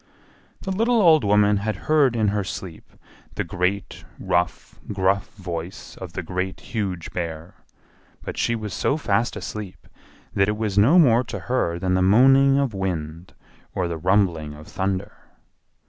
The little old woman had heard in her sleep the great, rough, gruff voice of the Great, Huge Bear, but she was so fast asleep that it was no more to her than the moaning of wind or the rumbling of thunder.